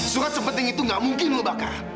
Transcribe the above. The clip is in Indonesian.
surat sepenting itu nggak mungkin lu bakar